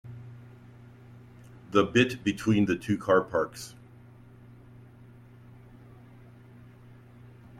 The bit between the two car parks?